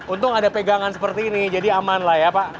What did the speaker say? untung ada pegangan seperti ini jadi aman lah ya pak